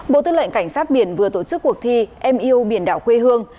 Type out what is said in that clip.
bộ tư lệnh cảnh sát biển vừa tổ chức cuộc thi em yêu biển đảo quê hương